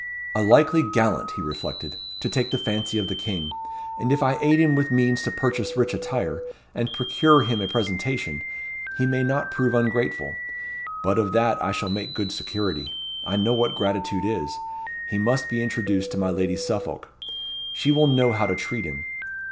"A likely gallant," he reflected, "to take the fancy of the king; and if I aid him with means to purchase rich attire, and procure him a presentation, he may not prove ungrateful. But of that I shall take good security. I know what gratitude is. He must be introduced to my Lady Suffolk. She will know how to treat him.